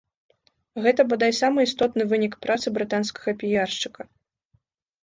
Гэта, бадай, самы істотны вынік працы брытанскага піяршчыка.